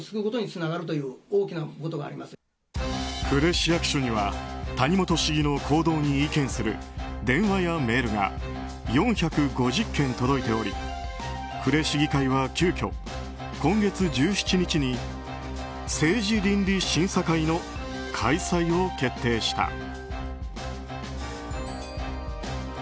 呉市役所には谷本市議の行動に意見する電話やメールが４５０件届いており呉市議会は急きょ、今月１７日に政治倫理審査会の開催を決定した。